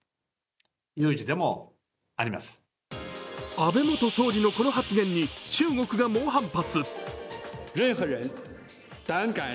安倍元総理のこの発言に中国が猛反発。